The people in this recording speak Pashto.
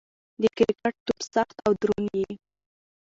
د کرکټ توپ سخت او دروند يي.